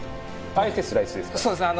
あえてスライスですか？